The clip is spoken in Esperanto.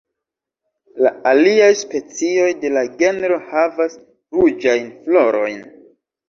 La aliaj specioj de la genro havas ruĝajn florojn.